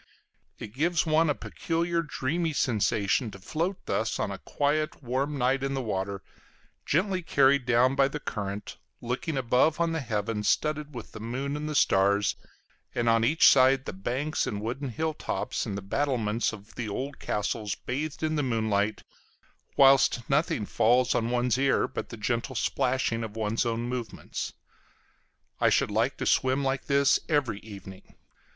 It gives one a peculiar dreamy sensation to float thus on a quiet warm night in the water, gently carried down by the current, looking above on the heavens studded with the moon and stars, and on each side the banks and wooded hill tops and the battlements of the old castles bathed in the moonlight, whilst nothing falls on one's ear but the gentle splashing of one's own movements. I should like to swim like this every evening.